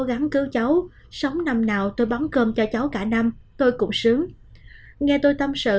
gắn cứu cháu sống năm nào tôi bám cơm cho cháu cả năm tôi cũng sướng nghe tôi tâm sự